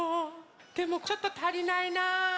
でもちょっとたりないな。